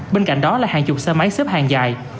bên cạnh đó là hàng chục xe máy xếp hàng dài